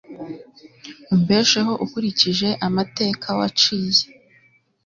umbesheho ukurikije amateka waciye